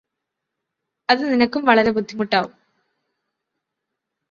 അത് നിനക്കും വളരെ ബുദ്ധിമ്മുട്ടാവും